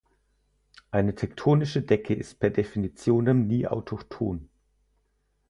Eine tektonische Decke ist per definitionem nie autochthon.